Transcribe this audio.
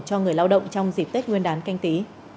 cho người lao động trong dịp tết nguyên đán canh tí